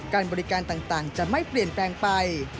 การบริการต่างจะไม่เปลี่ยนแปลงไป